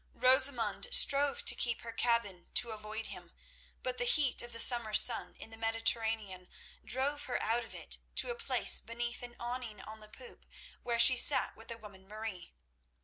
Rosamund strove to keep her cabin to avoid him, but the heat of the summer sun in the Mediterranean drove her out of it to a place beneath an awning on the poop, where she sat with the woman Marie.